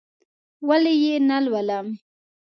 ولې یې نه لولم؟!